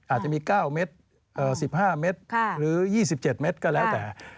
อาจจะมี๙เมตร๑๕เมตรหรือ๒๗เมตรก็แล้วแต่